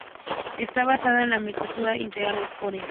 Está basado en la microarquitectura Intel Core.